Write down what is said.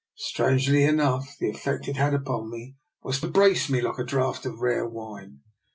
Strangely enough, the effect it had upon me was to brace me like a draught of rare wine.